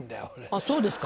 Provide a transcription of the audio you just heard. あっそうですか。